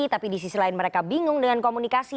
tapi di sisi lain mereka bingung dengan komunikasi